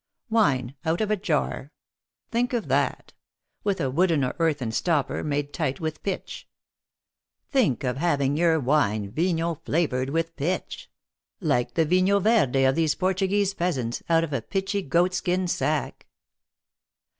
Wine out of a jar! Think of that. With a wooden or earthen stopper, made tight with pitch. Think of having your wine vinho flavored with pitch ! like the vinho verde of these Portuguese peasants, out of a pitchy goat skin sack."